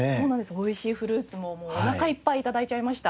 おいしいフルーツもおなかいっぱい頂いちゃいました。